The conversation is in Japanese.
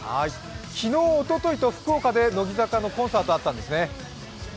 昨日、おとといと福岡で乃木坂のコンサートがあったんですよね。